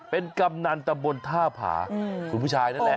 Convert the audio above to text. เป็นกำนันตำบลท่าผาคุณผู้ชายนั่นแหละ